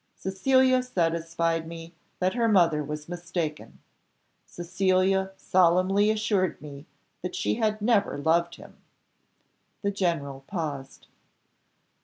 Cecilia satisfied me that her mother was mistaken. Cecilia solemnly assured me that she had never loved him." The general paused.